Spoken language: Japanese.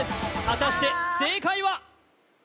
果たして正解は？